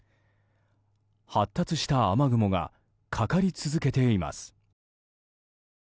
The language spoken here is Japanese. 発達した雨雲がかかり続けています。